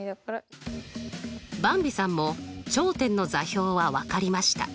ばんびさんも頂点の座標は分かりました。